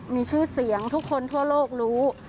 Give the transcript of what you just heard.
มีชื่อเสียงทุกคนทั่วโลกรู้